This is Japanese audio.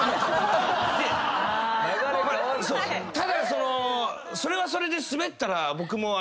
ただそれはそれでスベったら僕も。